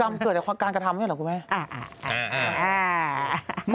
กรรมเกิดจากการกระทำนี่หรือเปล่าคุณแม่